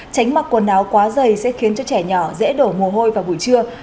tránh mặc quần áo quá dày sẽ khiến cho trẻ nhỏ dễ đổ mồ hôi vào buổi trưa